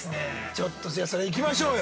ちょっとじゃあそれ行きましょうよ。